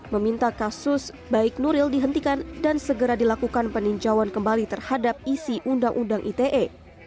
meminta kasus baik nuril dihentikan dan segera dilakukan peninjauan kembali terhadap isi undang undang ite